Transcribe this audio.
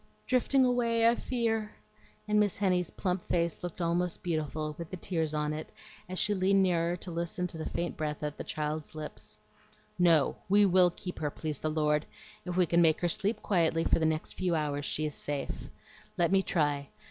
"Drifting away, I fear;" and Miss Henny's plump face looked almost beautiful, with the tears on it, as she leaned nearer to listen to the faint breath at the child's lips. "No; we will keep her, please the Lord! If we can make her sleep quietly for the next few hours she is safe. Let me try.